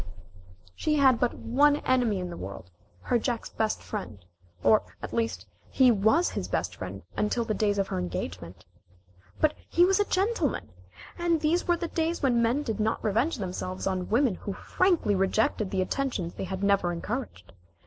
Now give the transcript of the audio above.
She had but one enemy in the world, her Jack's best friend, or at least, he was his best friend until the days of her engagement. But he was a gentleman, and these were the days when men did not revenge themselves on women who frankly rejected the attentions they had never encouraged.